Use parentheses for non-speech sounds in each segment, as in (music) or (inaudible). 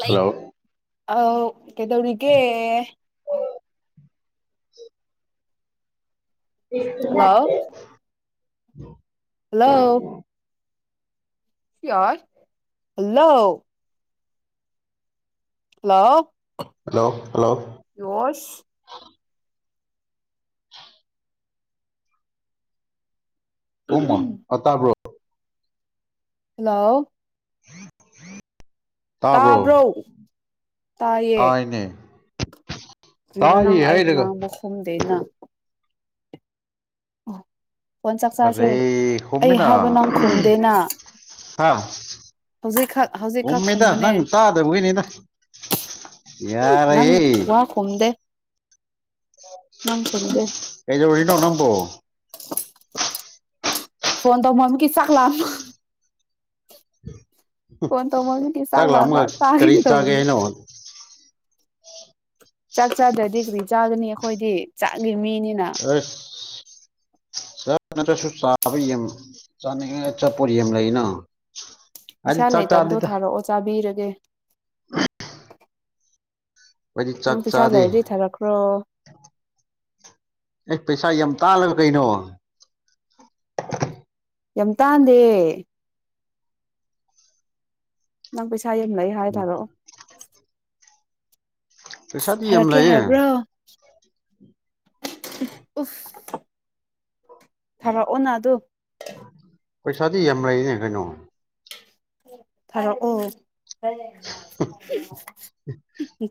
ꯂꯩ ꯍꯜꯂꯣ ꯑ ꯀꯩꯗꯧꯔꯤꯒꯦ (unintelligible) hello hello hello hello hello hello ꯌꯣꯁ ꯎꯃ ꯑ ꯇꯕꯣ ꯍꯂꯣ ꯇꯥꯕ꯭ꯔꯣ ꯇꯥꯏꯌꯦ ꯇꯥꯏꯅꯦ ꯀꯔ ꯅꯪ ꯇꯥꯏꯌꯦ ꯑꯩ ꯍꯥꯏꯔꯒ ꯉꯥꯡꯕ ꯈꯨꯝꯗꯦ ꯅ ꯐꯣꯟ ꯆꯥꯛ ꯆꯥꯁꯦ ꯑꯔꯦ ꯑꯩ ꯍꯨꯝꯃꯤꯅ ꯍꯥꯏꯕ ꯅꯪ ꯈꯨꯝꯗꯦꯅ ꯊꯥꯎ ꯍꯧꯖꯤꯛꯈꯛ ꯍꯧꯖꯤꯛꯈꯛ ꯎꯨꯝꯃꯤꯗ ꯈꯨꯝꯕꯅꯦ ꯅꯪ ꯇꯥꯗꯕꯒꯤꯅꯤꯗ ꯌꯥꯔꯦꯍꯦ ꯅꯥꯟ ꯆꯠꯗꯦ ꯀꯩꯗꯧꯔꯤꯅꯣ ꯅꯪꯕꯣ ꯐꯣꯟꯣꯟ ꯇ ꯃꯃꯤ ꯀ ꯆꯀ ꯂꯃ ꯇꯧꯃꯟꯕꯒꯤ ꯆꯥꯛ ꯂꯥꯛꯑ ꯂꯥꯝꯕ ꯑꯃꯒ ꯀꯔꯤ ꯆꯥꯒꯦꯅ ꯆꯥꯒꯦ ꯇꯧꯔꯤ ꯍꯥꯏꯅ ꯆꯥꯛ ꯆꯥꯗ꯭ꯔꯗꯤ ꯀꯔꯤ ꯆꯥꯒꯅꯤ ꯑꯩꯈꯣꯏꯗꯤ ꯆꯥꯛꯂꯤ ꯃꯤꯅꯤꯅ (unintelligible) ꯆ ꯅꯠꯇ꯭ꯔꯁꯨ ꯆꯥꯕ ꯆꯥꯅꯤꯡꯉ ꯆꯠꯄꯣ ꯌꯦ ꯂꯩꯅ ꯑꯩꯗꯤ ꯄꯩꯁꯥ ꯆꯥꯛ ꯂꯩꯇꯕꯗꯣ ꯆꯥꯗꯦꯗ ꯊꯥꯔꯛꯑꯣ ꯆꯥꯕꯤꯔꯒꯦ ꯑꯩꯗꯤ ꯆꯥꯛ ꯅꯪ ꯄꯩꯁꯥ ꯆꯥꯗꯦ ꯂꯩꯔꯗꯤ ꯊꯥꯔꯛꯈ꯭ꯔꯣ ꯑꯦ ꯄꯩꯁꯥ ꯌꯥꯝ ꯇꯥꯜꯂꯒ ꯀꯩꯅꯣ ꯌꯥꯝ ꯇꯥꯟꯗꯦ ꯅꯪ ꯄꯩꯁꯥ ꯌꯥꯝ ꯂꯩ ꯍꯥꯏ ꯇꯥꯔꯛꯑꯣ ꯄꯩꯁꯥꯗꯤ ꯌꯥꯝ ꯂꯩꯌꯦ ꯍꯥꯏꯕ꯭ꯔꯣ ꯑꯣꯐ ꯊꯔꯛꯑꯣꯅꯗꯣ ꯄꯩꯁꯥꯗꯤ ꯌꯥꯝ ꯂꯩꯏꯅꯦ ꯀꯩꯅꯣ ꯐꯔꯣ ꯑꯣ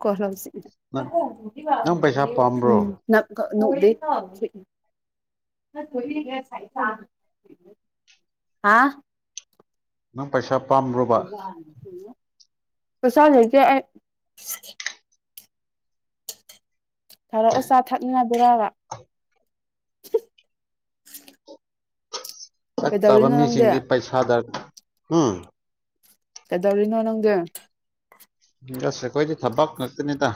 ꯀꯣ ꯍꯥꯎꯁꯤ ꯅꯪ ꯎꯝ ꯅꯪ ꯄꯩꯁꯥ ꯄꯥꯝꯕ꯭ꯔꯣ (unintelligible) ꯊ ꯍꯥ ꯅꯪ ꯄꯩꯁꯥ ꯄꯥꯝꯕ꯭ꯔꯣꯕ ꯀꯩꯁꯜ ꯍꯥꯏꯁꯦ ꯊꯥꯔꯛꯑꯣ ꯆꯥ ꯊꯛꯅꯅꯕꯔꯕ ꯆꯞ ꯆꯥꯕ ꯃꯤꯁꯤꯡꯗꯤ ꯄꯩꯁꯥꯗꯔ ꯎꯝ ꯀꯗꯧꯔꯤꯅꯣ ꯅꯪꯒ ꯑꯁ ꯑꯩꯈꯣꯏꯗꯤ ꯊꯕꯛ ꯉꯇꯅꯤꯗ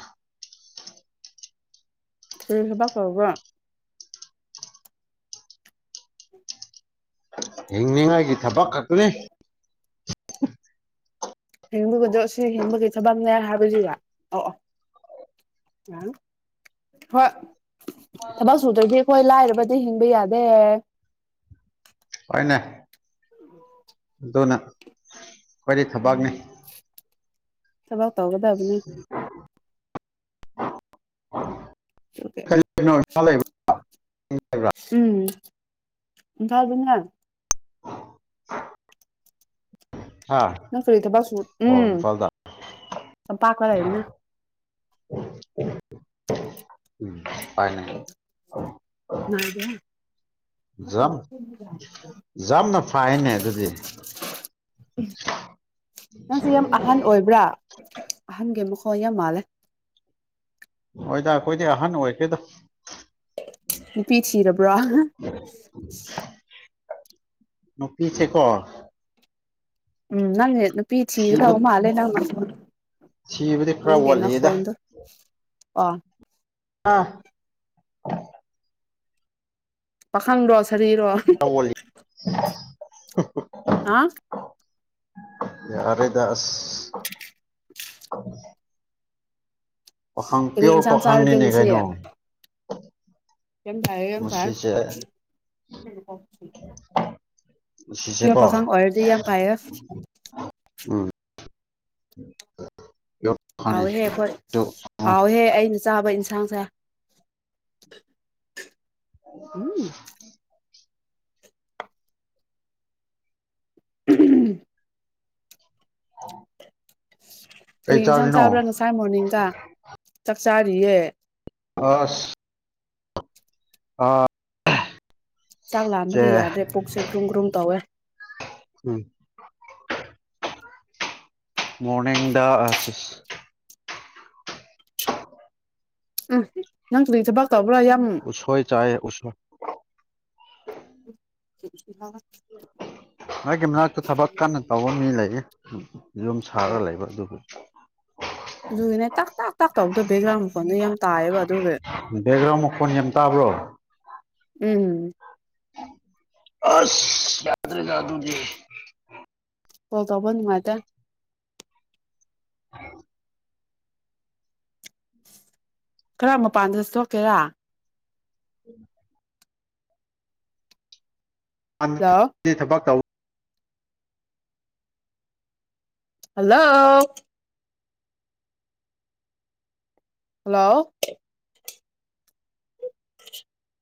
ꯔꯈꯕ ꯀꯒꯣ ꯍꯤꯡꯅꯤꯉꯥꯏꯒꯤ ꯊꯕꯛ ꯈꯛꯇꯅꯤ ꯍꯤꯡꯕꯒꯗꯣ ꯁꯤ ꯍꯤꯡꯕꯒꯤ ꯊꯕꯛ ꯑꯃꯅꯦ ꯍꯥꯏꯕꯗꯨꯔ ꯑ ꯑ ꯑ ꯍꯣꯏ ꯊꯕꯛ ꯁꯨꯗ꯭ꯔꯗꯤ ꯑꯩꯈꯣꯏ ꯂꯥꯏꯔꯕꯗꯤ ꯍꯤꯡꯕ ꯌꯥꯗꯦ ꯍꯅ ꯎꯝ ꯑꯗꯨꯅ ꯈ꯭ꯋꯥꯏꯗꯤ ꯊꯕꯥꯛꯅꯤ ꯊꯕꯛ ꯇꯧꯒꯗꯕꯅꯦ (inaudible) (inaudible) ꯊꯕꯅ ꯍꯥ ꯅꯪ ꯀꯨꯔꯤ ꯊꯕꯛꯁꯨ ꯑꯣ ꯎꯝ ꯏꯝꯐꯥꯜꯗ ꯁꯝꯄꯥꯛꯄ ꯂꯩꯕꯅ ꯎꯝ ꯄꯥꯏꯅ ꯃꯥꯗ ꯌꯥꯝ ꯌꯥꯝꯅ ꯐꯥꯏꯅꯦ ꯑꯗꯨꯗꯤ ꯅꯪꯁꯦ ꯌꯥꯝ ꯑꯍꯟ ꯑꯣꯏꯕ꯭ꯔꯥ ꯑꯍꯟꯒꯤ ꯑꯃꯨ ꯍ ꯌꯥꯝ ꯃꯥꯂ ꯍꯣꯏꯗ ꯑꯩꯈꯣꯏꯗꯤ ꯑꯍꯟ ꯑꯣꯏꯒꯦꯗ ꯄꯤꯁꯤꯔꯔꯕ꯭ꯔꯣ ꯅꯨꯔꯤꯁ ꯀꯣ ꯎꯝ ꯅꯪ ꯐꯤ ꯆꯤ ꯊꯤꯕ ꯇꯑꯣ ꯃꯥꯂꯦ ꯅꯪ ꯊꯤꯕꯗꯤ ꯈꯔ ꯋꯥꯠꯂꯤꯗ ꯅꯪꯅꯈꯣꯟ ꯋꯥ ꯑꯥ ꯄꯈꯥꯟꯗꯁ ꯀꯣ ꯍꯥ ꯑꯔꯦꯗꯥꯁ ꯄꯈꯥꯡ ꯀꯔꯤ ꯄꯤꯌꯣꯔ ꯏꯟꯁꯥꯡ ꯆꯥꯔꯒꯦ ꯄꯣꯈꯥꯡꯅꯤꯅꯦꯦꯛꯒꯥꯏꯅ ꯀꯝ ꯇꯑ ꯀꯝ ꯊ ꯁꯤꯁꯦ ꯀꯣ ꯐꯩꯌꯦ ꯎꯝ ꯎ ꯍꯥꯎꯍꯦ ꯐꯣꯏ ꯍꯥꯎꯍꯦ ꯑꯩꯅ ꯆꯥꯕ ꯏꯟꯁꯥꯡꯁꯦ ꯎꯝ ꯎ ꯎꯝ ꯀꯔꯤ ꯀꯩ ꯌꯦꯟꯁꯥꯡ ꯆꯥꯔꯤꯅꯣ ꯆꯥꯕ꯭ꯔꯥ ꯉꯁꯥꯏ ꯃꯣꯔꯅꯤꯡꯗ ꯆꯥꯛꯆꯥꯥꯔꯤꯌꯦ ꯍꯁ ꯑ ꯆꯥꯛ ꯂꯥꯟꯕꯒꯤ ꯌꯥꯗ꯭ꯔꯦ ꯄꯨꯛꯁꯦ ꯒ꯭ꯔꯨꯝ ꯒ꯭ꯔꯨꯝ ꯇꯧꯋꯦ ꯎꯝ ꯃꯣꯔꯅꯤꯡ ꯗ ꯑꯆꯁ ꯎꯝ ꯅꯪꯁꯨ ꯆꯕ ꯎꯁꯣꯏ ꯆꯥꯏ ꯎꯁ ꯑꯩꯒꯤ ꯃꯅꯥꯛꯇ ꯊꯕꯛ ꯀꯟꯅ ꯇꯧꯕ ꯃꯤ ꯂꯩꯌꯦ ꯌꯨꯝ ꯁꯥꯔꯒ ꯑꯣ ꯂꯩꯕ ꯑꯗꯨꯒꯕꯨ ꯑꯗꯨꯒꯤꯅꯦ ꯇꯥꯛ ꯇꯥꯛ ꯇꯛ ꯇꯧꯕꯗꯣ ꯕꯦꯛꯒ꯭ꯔꯥꯎꯟ ꯐꯣꯟꯗ ꯌꯥꯝ ꯇꯥꯏꯌꯦꯕ ꯑꯗꯨꯒꯒꯤ ꯕꯦꯛꯒ꯭ꯔꯥꯎꯟ ꯃꯈꯣꯟ ꯌꯥꯝ ꯇꯥꯕ꯭ꯔꯣ ꯎꯝ ꯑꯁ ꯌꯥꯗ꯭ꯔꯦ ꯌꯥꯥꯗꯒꯤ ꯀꯥꯎ ꯀꯥꯎꯄ ꯃꯥꯗ ꯑ ꯈꯔ ꯃꯄꯥꯟꯗ ꯏꯁꯇꯣꯛꯀꯦꯔꯥ ꯎꯝ ꯍꯜꯂꯣ ꯊꯕꯛ ꯇꯧ ꯍꯜꯂꯣ ꯍꯜꯂꯣ (unintelligible)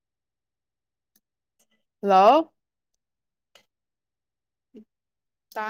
ꯍꯜꯂꯣ ꯇꯥ